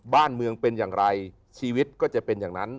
บ้านเมืองเป็นอย่างไรชีวิตก็จะเป็นอย่างนั้น